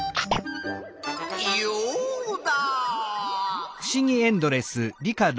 ヨウダ！